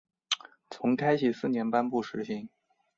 从开禧四年颁布施行。